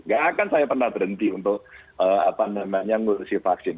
gak akan saya pernah berhenti untuk ngurusi vaksin